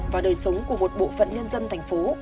và đời sống của một bộ phận nhân dân thành phố